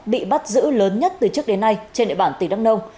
bị bắt giữ lớn nhất từ trước đến nay trên địa bàn tỉnh đắk nông